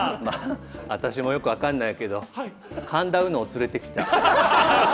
私もよくわかんないけど、神田うのを連れてきた。